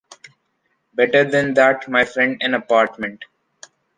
Better than that, my friend... an apartment.